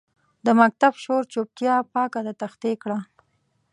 د مکتب شور چوپتیا پاکه د تختې کړه